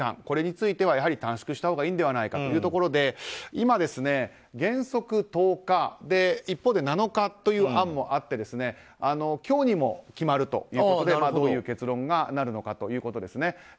これについてはやはり短縮したほうがいいのではというところで今、原則１０日一方で７日という案もあって今日にも決まるということでどういう結論になるのかということですね。